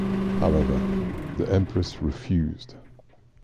However, the empress refused.